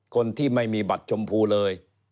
คนที่ไม่มีบัตรชมพูเลย